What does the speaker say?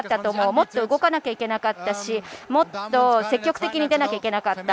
もっと動かないといけなかったしもっと積極的に出なきゃいけなかった。